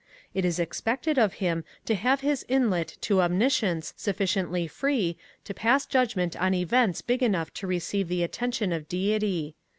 It is expected of him to have his inlet to Omniscience sufficiently free to pass judgment on events big enough to receive the attention of deity.